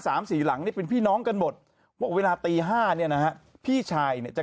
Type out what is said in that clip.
สามสี่หลังนี่เป็นพี่น้องกันหมดว่าเวลาตี๕นี่นะพี่ชายจะ